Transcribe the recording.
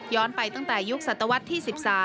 ไปตั้งแต่ยุคศตวรรษที่๑๓